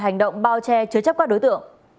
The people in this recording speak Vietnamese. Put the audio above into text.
hành động bao che chứa chấp các đối tượng